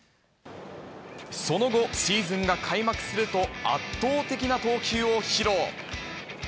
その後、シーズンが開幕すると、圧倒的な投球を披露。